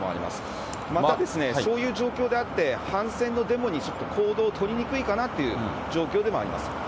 またそういう状況であって、反戦のデモに行動を取りにくいかなという状況でもあります。